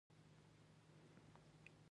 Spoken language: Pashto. شاه زمان د احمد شاه بابا لمسی وه.